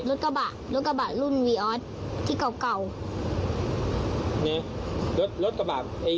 รถกระบาดรถกระบาดรุ่นวีออสที่เก่าเก่าเนี่ยรถกระบาดไอ